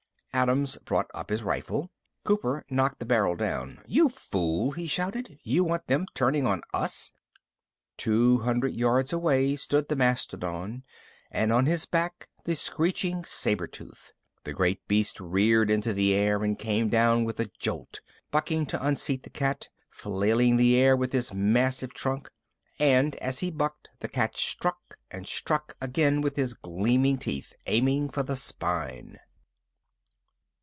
Adams brought his rifle up. Cooper knocked the barrel down. "You fool!" he shouted. "You want them turning on us?" Two hundred yards away stood the mastodon and, on his back, the screeching saber tooth. The great beast reared into the air and came down with a jolt, bucking to unseat the cat, flailing the air with his massive trunk. And as he bucked, the cat struck and struck again with his gleaming teeth, aiming for the spine.